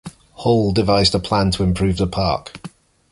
Hall devised a plan to improve the Park.